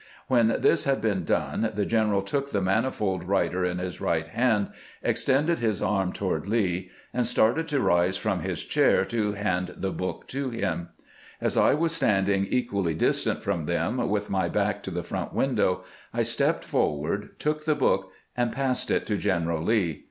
When this had been done the general took the manifold writer in his right hand, extended his arm toward Lee, and started to rise from his chair to DRAFTING THE TEEMS, AND THE ACCEPTANCE 477 hand tlie book to Mm. As I was standing equally dis tant from them, with my back to the front window, I stepped forward, took the book, and passed it to General Lee.